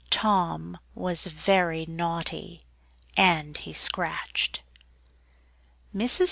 Tom was very naughty, and he scratched. Mrs.